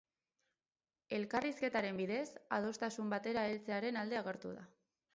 Elkarrizketaren bidez, adostasun batera heltzearen alde agertu da.